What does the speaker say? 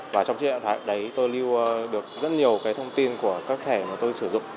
và trong chiếc điện thoại đấy tôi lưu được rất nhiều cái thông tin của các thẻ mà tôi sử dụng